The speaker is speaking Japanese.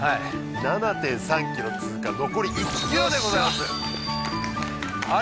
７．３ｋｍ通過残り１ｋｍでございますよっしゃ！